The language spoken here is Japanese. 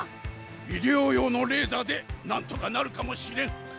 医療用のレーザーでなんとかなるかもしれん！